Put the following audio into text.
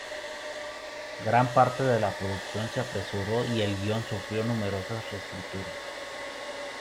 Gran parte de la producción se apresuró y el guion sufrió numerosas reescrituras.